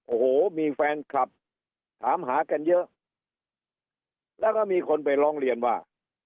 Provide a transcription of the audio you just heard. โอ้โหมีแฟนคลับถามหากันเยอะแล้วก็มีคนไปร้องเรียนว่า